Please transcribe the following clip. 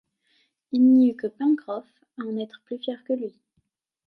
Il n’y eut que Pencroff à en être plus fier que lui